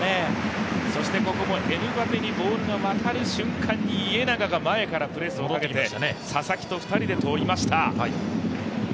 そしてここもエムバペにボールが渡る瞬間に家長が前からプレス、佐々木と２人でとりました。